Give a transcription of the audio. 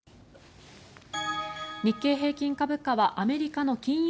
日経平均株価はアメリカの金融